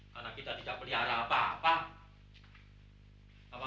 karena kita tidak pelihara bapa bapa